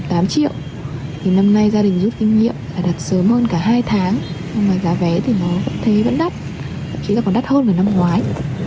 gia đình giúp kinh nghiệm là đặt sớm hơn cả hai tháng nhưng mà giá vé thì nó vẫn thế vẫn đắt chỉ là còn đắt hơn hơn năm ngoái